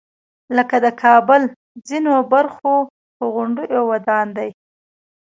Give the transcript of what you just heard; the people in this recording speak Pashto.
لکه د کابل ځینو برخو پر غونډیو ودان دی.